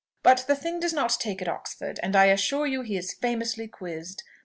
But the thing does not take at Oxford, and I assure you he is famously quizzed.